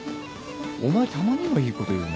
お前たまにはいいこと言うな。